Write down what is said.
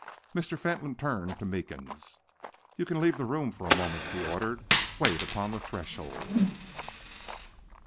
Mr. Fentolin turned to Meekins. "You can leave the room for a moment," he ordered. "Wait upon the threshold."